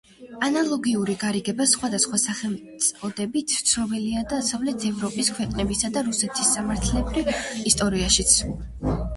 ანალოგიური გარიგება სხვადასხვა სახელწოდებით ცნობილია დასავლეთ ევროპის ქვეყნებისა და რუსეთის სამართლეებრივ ისტორიაშიც.